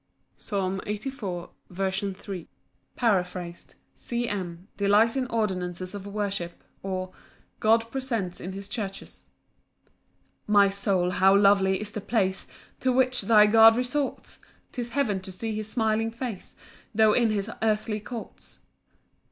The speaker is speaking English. Psalm 84:3. 14 2 3 10. Paraphrased. C. M. Delight in ordinances of worship; or, God present in his churches. 1 My soul, how lovely is the place To which thy God resorts! 'Tis heaven to see his smiling face, Tho' in his earthly courts.